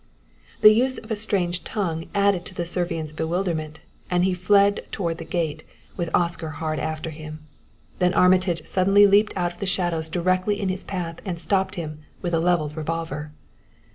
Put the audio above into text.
The use of a strange tongue added to the Servian's bewilderment, and he fled toward the gate, with Oscar hard after him. Then Armitage suddenly leaped out of the shadows directly in his path and stopped him with a leveled revolver.